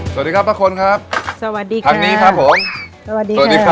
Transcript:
สวัสดีครับป่าคนครับสวัสดีค่ะทางนี้ครับผมสวัสดีค่ะ